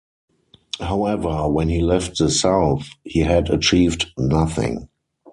However, when he left the south, he had achieved nothing.